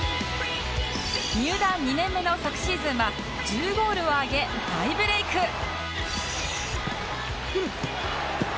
入団２年目の昨シーズンは１０ゴールを挙げ大ブレイク